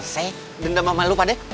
sakit udah udah